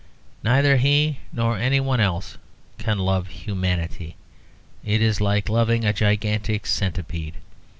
Neither He nor anyone else can love humanity; it is like loving a gigantic centipede.